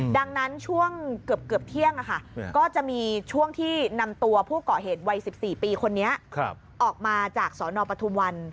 ดังนั้นช่วงเกือบเที่ยงก็จะมีช่วงที่นำตัวผู้ก่อเหตุวัย๑๔ปีคนนี้ออกมาจากสนปทุมวัน